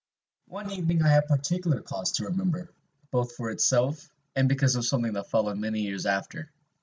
"One evening I have particular cause to remember, both for itself, and because of something that followed many years after.